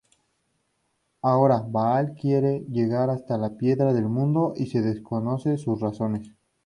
Ahora Baal quiere llegar hasta la Piedra del Mundo y se desconoce sus razones.